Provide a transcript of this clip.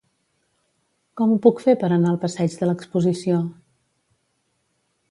Com ho puc fer per anar al passeig de l'Exposició?